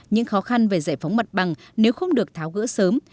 những khó khăn về giải phóng mặt bằng nếu không được tháo gỡ sớm